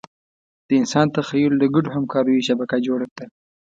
د انسان تخیل د ګډو همکاریو شبکه جوړه کړه.